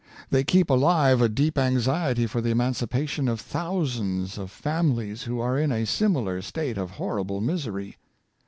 They keep alive a deep anxiety for the emancipation of thousands of families who are in a similar state of hor rible misery.